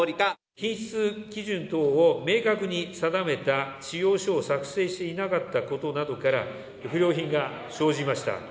品質基準等を明確に定めた仕様書を作成していなかったことなどから、不良品が生じました。